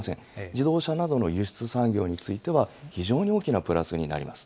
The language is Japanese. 自動車などの輸出産業については、非常に大きなプラスになります。